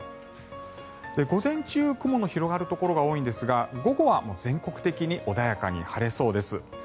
午前中、雲の広がるところが多いんですが午後は全国的に穏やかに晴れそうです。